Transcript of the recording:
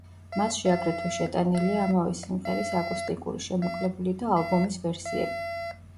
მასში აგრეთვე შეტანილია ამავე სიმღერის აკუსტიკური, შემოკლებული და ალბომის ვერსიები.